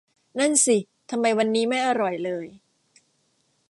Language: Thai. นั่นสิ ทำไมวันนี้ไม่อร่อยเลย